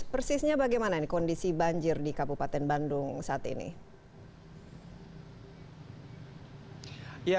persisnya bagaimana ini kondisi banjir di kabupaten bandung saat ini